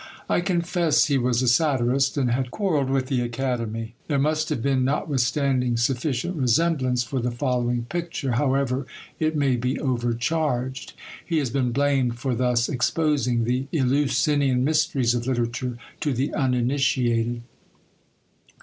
I confess he was a satirist, and had quarrelled with the Academy; there must have been, notwithstanding, sufficient resemblance for the following picture, however it may be overcharged. He has been blamed for thus exposing the Eleusinian mysteries of literature to the uninitiated.